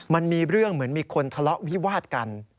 มันมีเรื่องเหมือนมีคนทะเลาะวิวาดกัน